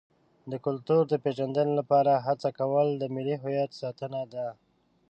د کلتور د پیژندنې لپاره هڅه کول د ملي هویت ساتنه ده.